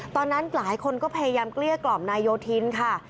ตอนนั้นหลายคนก็พยายามเกลี้ยกล่อมนายโยธินค่ะ